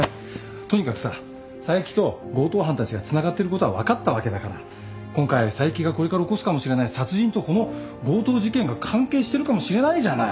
とにかくさ佐伯と強盗犯たちがつながってることは分かったわけだから今回佐伯がこれから起こすかもしれない殺人とこの強盗事件が関係してるかもしれないじゃない。